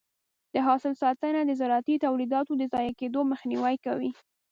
د حاصل ساتنه د زراعتي تولیداتو د ضایع کېدو مخنیوی کوي.